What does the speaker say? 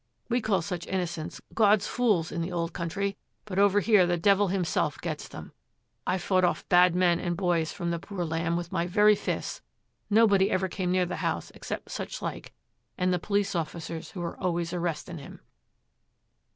We call such innocents "God's Fools" in the old country, but over here the Devil himself gets them. I've fought off bad men and boys from the poor lamb with my very fists; nobody ever came near the house except such like and the police officers who were always arresting him.'